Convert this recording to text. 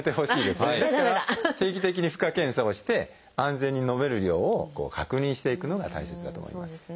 ですから定期的に負荷検査をして安全に飲める量を確認していくのが大切だと思います。